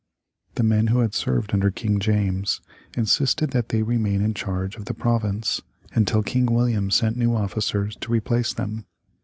The men who had served under King James insisted that they remain in charge of the province until King William sent new officers to replace them.